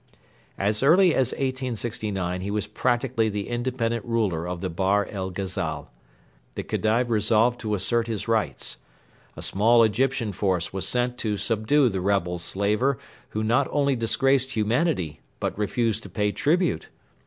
As early as 1869 he was practically the independent ruler of the Bahr el Ghazal. The Khedive resolved to assert his rights. A small Egyptian force was sent to subdue the rebel slaver who not only disgraced humanity but refused to pay tribute.